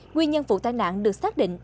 nguyên nhân vụ tai nạn được xác định